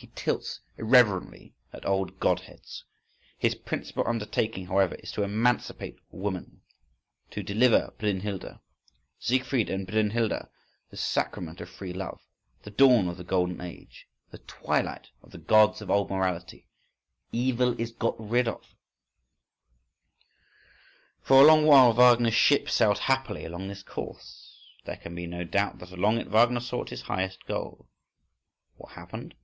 He tilts irreverently at old god heads. His principal undertaking, however, is to emancipate woman,—"to deliver Brunnhilda."… Siegfried and Brunnhilda, the sacrament of free love, the dawn of the golden age, the twilight of the Gods of old morality—evil is got rid of.… For a long while Wagner's ship sailed happily along this course. There can be no doubt that along it Wagner sought his highest goal.—What happened?